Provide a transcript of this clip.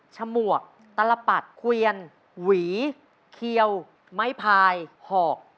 ฉมวกตลปัดเกวียนหวีเคียวไม้พายหอก